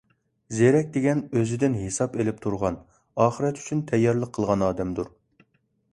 زېرەك دېگەن – ئۆزىدىن ھېساب ئېلىپ تۇرغان، ئاخىرەت ئۈچۈن تەييارلىق قىلغان ئادەمدۇر.